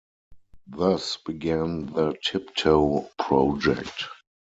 Thus began the Tip Tow project.